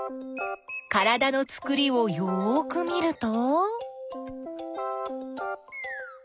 からだのつくりをよく見ると？